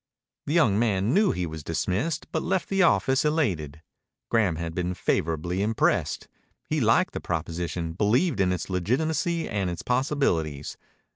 The young man knew he was dismissed, but he left the office elated. Graham had been favorably impressed. He liked the proposition, believed in its legitimacy and its possibilities.